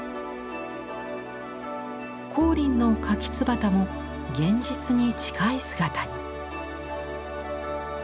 光琳のかきつばたも現実に近い姿に。